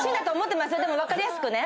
でも分かりやすくね。